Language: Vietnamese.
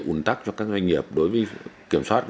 ủn tắc cho các doanh nghiệp đối với kiểm soát